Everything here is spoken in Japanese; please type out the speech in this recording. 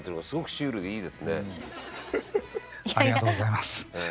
すっごい！